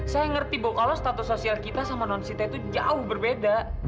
saya ngerti bu kalau status sosial kita sama nonsinta itu jauh berbeda